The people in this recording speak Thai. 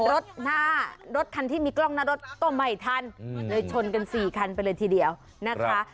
รถหน้ารถคันที่มีกล้องหน้ารถก็ไม่ทันเลยชนกัน๔คันไปเลยทีเดียวนะคะ